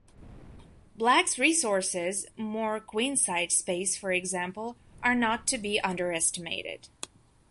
Black's resources-more queenside space for example-are not to be underestimated.